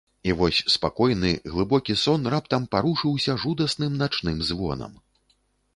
І вось спакойны, глыбокі сон раптам парушыўся жудасным начным звонам.